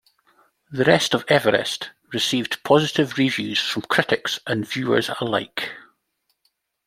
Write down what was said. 'The Rest of Everest' received positive reviews from critics and viewers alike.